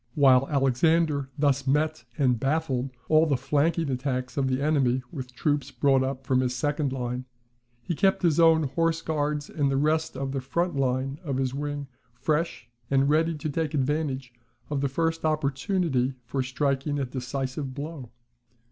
While Alexander thus met and baffled all the flanking attacks of the enemy with troops brought up from his second line, he kept his own horse guards and the rest of the front line of his wing fresh, and ready to take advantage of the first opportunity for striking a decisive blow.